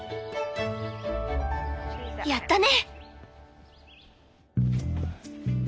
やったね！